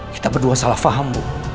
kita berdua salah faham bu